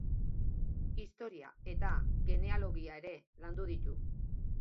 Historia eta Genealogia ere landu ditu.